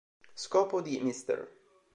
Scopo di "Mr.